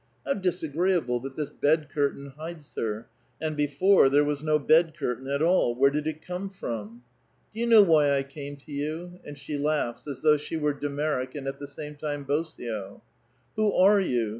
How disagreeable, that this bed curtain hides her — and before there was no bed curtain at all : where did it come from ?" Do vou know whv I came to vou?" And she lauorhs, as though she were de Merrick and at the same time Bosio. *' Who are you